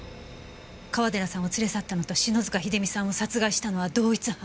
川寺さんを連れ去ったのと篠塚秀実さんを殺害したのは同一犯。